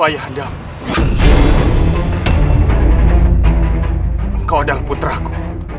hal ini pasang kita bersama